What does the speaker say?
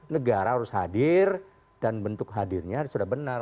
negara harus hadir dan bentuk hadirnya sudah benar